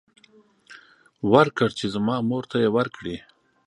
ورکړ چې زما مور ته يې ورکړي.